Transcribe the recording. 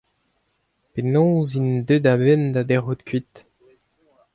Penaos int deuet a-benn da dec'hout kuit ?